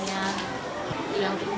menjaga kerang tak ada kan